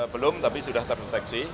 belum tapi sudah terdeteksi